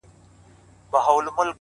سیاه پوسي ده” دا دی لا خاندي”